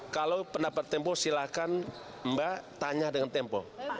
kalau pendapat tempo silahkan mbak tanya dengan tempo